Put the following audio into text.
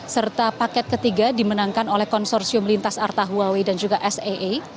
serta paket ketiga dimenangkan oleh konsorsium lintas artahuawi dan juga saa